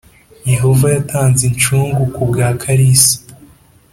Yehova Yatanze Incungu ku bwa kalisa.